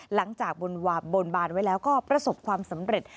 หลังจากบนบานไว้แล้วก็ประสบความสำเร็จ